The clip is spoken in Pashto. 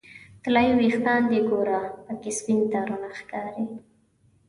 طلایې ویښان دې ګوره پکې سپین تارونه ښکاري